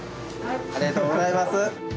ありがとうございます。